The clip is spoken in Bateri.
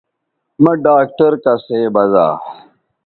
مہ ڈاکٹر کسئ بزا